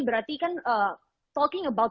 berarti kan talking about